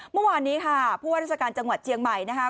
เมื่อวานนี้ค่ะผู้ว่าราชการจังหวัดเชียงใหม่นะคะ